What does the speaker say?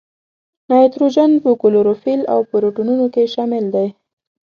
نایتروجن په کلوروفیل او پروټینونو کې شامل دی.